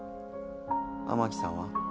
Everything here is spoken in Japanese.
雨樹さんは？